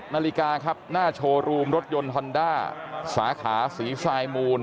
นาฬิกาครับหน้าโชว์รูมรถยนต์ฮอนด้าสาขาศรีทรายมูล